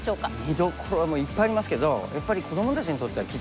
見どころはもういっぱいありますけどやっぱりこどもたちにとっては。